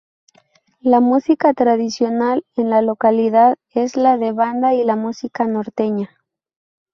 La música tradicional en la localidad es la de banda y la música norteña.